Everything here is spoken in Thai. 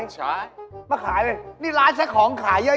สินคอมเนมซักของขายเยอะ